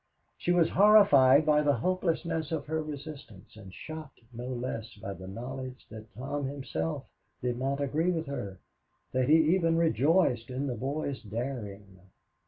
She was horrified by the hopelessness of her resistance, and shocked no less by the knowledge that Tom himself did not agree with her; that he even rejoiced in the boy's daring.